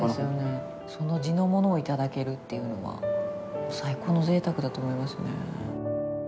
その地の物をいただけるというのは最高のぜいたくだと思いますね。